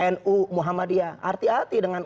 nu muhammadiyah arti arti dengan